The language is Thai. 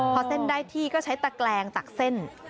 พอเส้นได้ที่ก็ใช้ตะแกลงตักเส้น